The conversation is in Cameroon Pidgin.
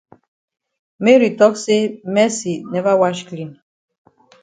Mary tok say Mercy never wash clean.